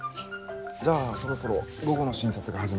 じゃあそろそろ午後の診察が始まるので。